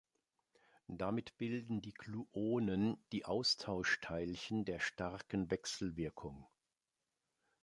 Damit bilden die Gluonen die Austauschteilchen der starken Wechselwirkung.